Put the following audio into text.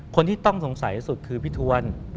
คนที่ต้องสงสัยสุดคือพี่ทวน